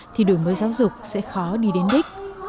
thì đổi mới giáo dục sẽ khó đi đến đích